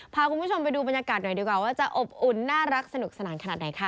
พาคุณผู้ชมไปดูบรรยากาศหน่อยดีกว่าว่าจะอบอุ่นน่ารักสนุกสนานขนาดไหนค่ะ